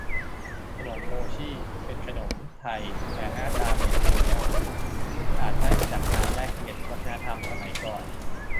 ขนมโม่ชี่ เป็นขนมไทย แต่หน้าตาเหมือนขนมโมจิ อาจได้มาจากการแลกเปลี่ยนวัฒนธรรมสมัยก่อน